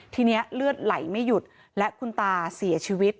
ทีนี้เลือดไหลไม่หยุดและคุณตาเสียชีวิต